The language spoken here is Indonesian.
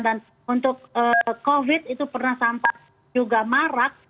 dan untuk covid itu pernah sampah juga marak